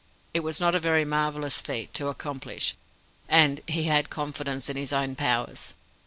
It was not a very marvellous feat to accomplish, and he had confidence in his own powers.